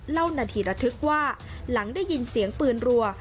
เล่านาทีระทึกว่าหลังได้ยินเสียงปืนรัว